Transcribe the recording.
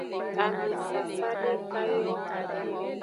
Amefafa dekayo.